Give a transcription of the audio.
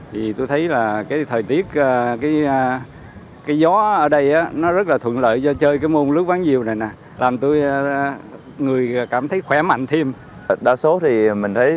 có thể nói đây là hướng đi mới cho người nông dân nơi đây